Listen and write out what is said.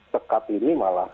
tekap ini malah